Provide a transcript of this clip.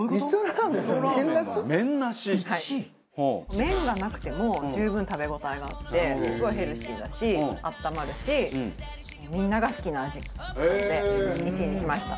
麺がなくても十分食べ応えがあってすごいヘルシーだし温まるしみんなが好きな味なので１位にしました。